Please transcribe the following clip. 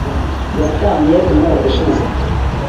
Yatanye umwaka ushize.